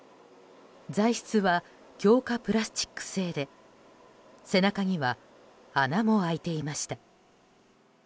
材質は強化プラスチック製で背中には穴も開いていました。